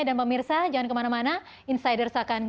dan pak mirsa jangan kemana mana insiders akan